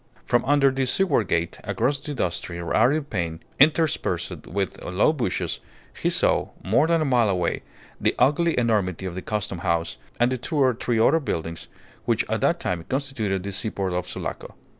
From under the seaward gate, across the dusty, arid plain, interspersed with low bushes, he saw, more than a mile away, the ugly enormity of the Custom House, and the two or three other buildings which at that time constituted the seaport of Sulaco.